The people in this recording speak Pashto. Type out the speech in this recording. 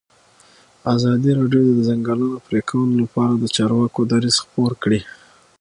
ازادي راډیو د د ځنګلونو پرېکول لپاره د چارواکو دریځ خپور کړی.